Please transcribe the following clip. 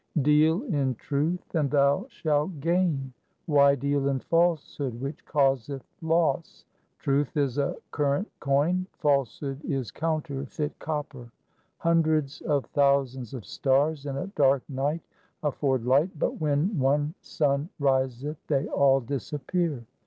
Deal in truth and thou shalt gain. Why deal in falsehood which causeth loss ? Truth is a cur rent coin, falsehood is counterfeit copper. Hundreds of thousands of stars in a dark night afford light, but when one sun riseth they all disappear.